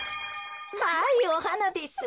はいおはなです。